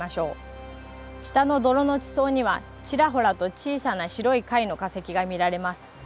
下の泥の地層にはちらほらと小さな白い貝の化石が見られます。